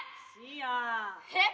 えっ？